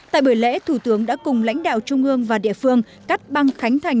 tại buổi lễ thủ tướng đã cùng lãnh đạo trung ương và địa phương cắt băng khánh thành